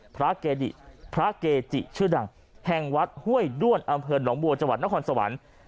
พระเกดิพระเกจิชื่อดังแห่งวัดห้วยด้วนอำเภอหนองบัวจังหวัดนครสวรรค์